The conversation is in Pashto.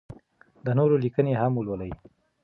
د نورو لیکنې هم ولولئ.